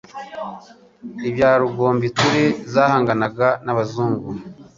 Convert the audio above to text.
bya Rugombituli zahanganaga n'abazungu,